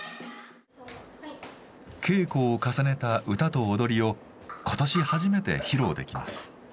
稽古を重ねた歌と踊りを今年初めて披露できます。